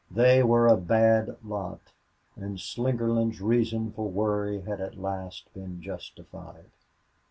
They were a bad lot, and Slingerland's reason for worry had at last been justified.